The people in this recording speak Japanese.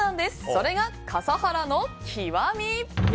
それが、笠原の極み！